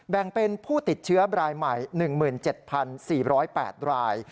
แบ่งเป็นผู้ติดเชื้อรายใหม่๑๗๔๐๘ราย